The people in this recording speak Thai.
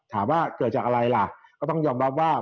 ถามว่าเกิดจากอะไรล่ะก็ต้องยอมรับว่า